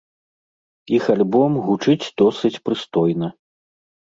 Іх альбом гучыць досыць прыстойна.